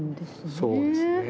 そうですね。